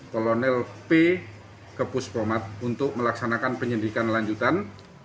kolonel p ke pus pomat untuk melaksanakan penyidikan lanjutan